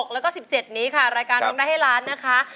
แล้วก็๑๗นี้ค่ะรายการร้องได้ให้ล้านนะคะ